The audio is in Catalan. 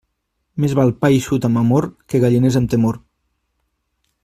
Més val pa eixut amb amor que gallines amb temor.